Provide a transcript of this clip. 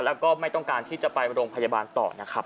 แล้วก็ไม่ต้องการที่จะไปโรงพยาบาลต่อนะครับ